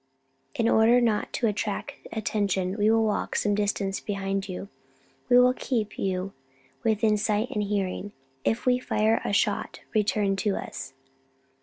"In order not to attract attention, we will walk some distance behind you. We will keep you within sight and hearing. If we fire a shot, return to us."